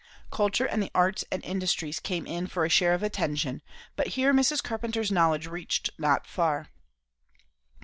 Culture and the arts and industries came in for a share of attention; but here Mrs. Carpenter's knowledge reached not far.